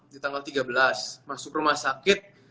di tanggal tiga belas masuk rumah sakit